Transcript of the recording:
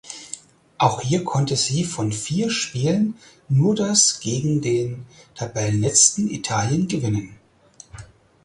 Auch hier konnte sie von vier Spielen nur das gegen den Tabellenletzten Italien gewinnen.